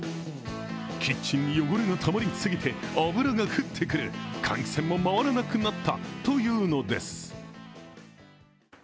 キッチンに汚れがたまりすぎて油が降ってくる、換気扇も回らなくなったというのです。